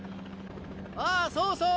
あそうそう。